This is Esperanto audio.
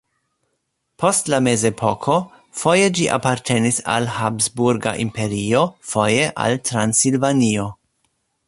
Post la mezepoko foje ĝi apartenis al Habsburga Imperio, foje al Transilvanio.